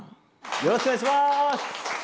よろしくお願いします！